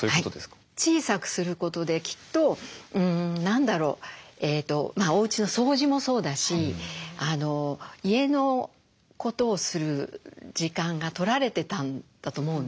小さくすることできっと何だろうおうちの掃除もそうだし家のことをする時間が取られてたんだと思うんですね。